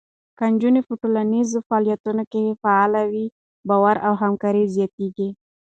که نجونې په ټولنیزو فعالیتونو کې فعاله وي، باور او همکاري زیاته کېږي.